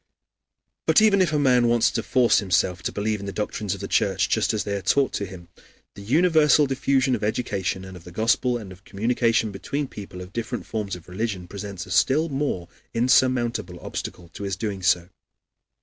But even if a man wants to force himself to believe in the doctrines of the Church just as they are taught to him, the universal diffusion of education and of the Gospel and of communication between people of different forms of religion presents a still more insurmountable obstacle to his doing so.